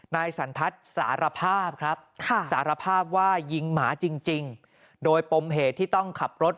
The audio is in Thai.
นายสันทัศน์สารภาพครับสารภาพว่ายิงหมาจริงโดยปมเหตุที่ต้องขับรถ